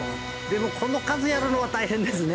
でもこの数やるのは大変ですね。